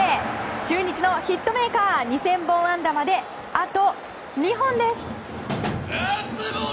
中日のヒットメーカー２０００本安打まであと２本です。